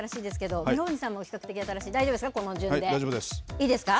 いいですか？